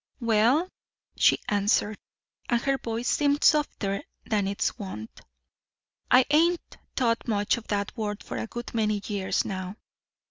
"Well," she answered, and her voice seemed softer than its wont, "I ain't thought much of that word for a good many years now.